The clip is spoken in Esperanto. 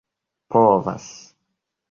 povas